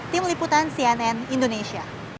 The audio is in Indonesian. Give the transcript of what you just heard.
tim liputan cnn indonesia